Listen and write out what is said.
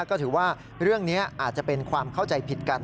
ก็ถือว่าเรื่องนี้อาจจะเป็นความเข้าใจผิดกัน